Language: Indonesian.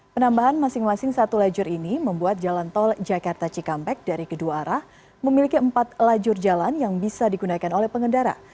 penambahan masing masing satu lajur ini membuat jalan tol jakarta cikampek dari kedua arah memiliki empat lajur jalan yang bisa digunakan oleh pengendara